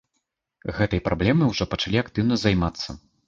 Гэтай праблемай ужо пачалі актыўна займацца.